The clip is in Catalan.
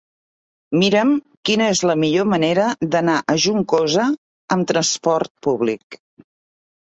Mira'm quina és la millor manera d'anar a Juncosa amb trasport públic.